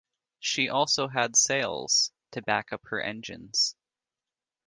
She also had sails to back up her engines.